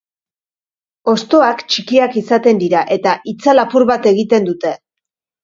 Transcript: Hostoak txikiak izaten dira eta itzal apur bat egiten dute.